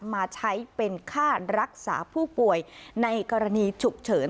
มาใช้เป็นค่ารักษาผู้ป่วยในกรณีฉุกเฉิน